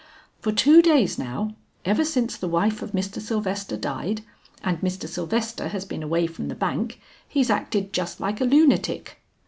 For two days now, ever since the wife of Mr. Sylvester died and Mr. Sylvester has been away from the bank, he's acted just like a lunatic.